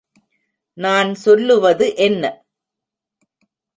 நான் சொல்லுவது என்ன?